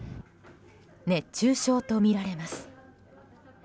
熱中症とみられます。